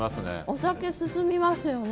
お酒進みますよね。